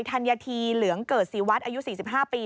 ธัญธีเหลืองเกิดศรีวัตรอายุ๔๕ปี